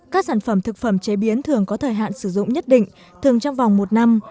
các sản phẩm thực phẩm chế biến thường có thời hạn sử dụng nhất định thường trong vòng một năm